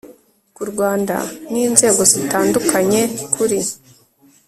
ku rwanda n inzego zitandukanye kuri